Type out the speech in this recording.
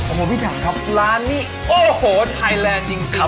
โอ้โฮพี่ถังครับร้านนี้โอ้โฮไทยแลนด์จริงเลยนะครับ